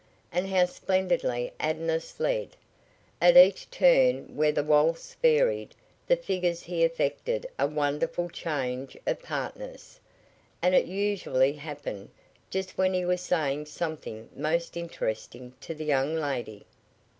And how splendidly Adonis led! At each turn where the waltz varied the figures he effected a wonderful change of partners, and it usually happened just when he was saying something most interesting to the young lady.